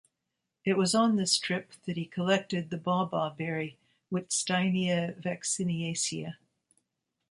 It was on this trip that he collected the Baw Baw Berry, "Wittsteinia vacciniacea".